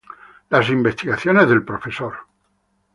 Las investigaciones del Prof.